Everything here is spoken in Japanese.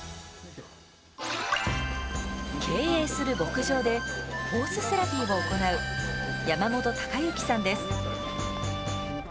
経営する牧場でホースセラピーを行う山本高之さんです。